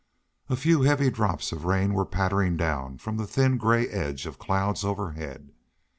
A few heavy drops of rain were pattering down from the thin, gray edge of clouds overhead.